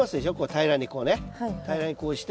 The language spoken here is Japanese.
平らにこうして。